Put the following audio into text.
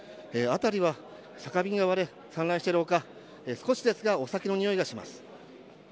辺りには酒瓶が割れて散乱している他少しですがお酒のにおいがします。